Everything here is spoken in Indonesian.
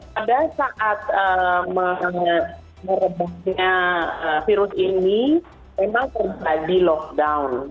pada saat merebaknya virus ini memang terjadi lockdown